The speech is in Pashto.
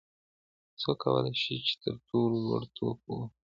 څوک کولای شي چې تر ټولو لوړ ټوپ ووهي؟